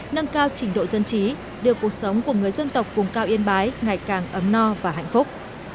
nâng cao trình độ dân trí đưa cuộc sống của người dân tộc vùng cao yên bái ngày càng ấm no và hạnh phúc